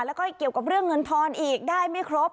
แล้วก็เกี่ยวกับเรื่องเงินทอนอีกได้ไม่ครบ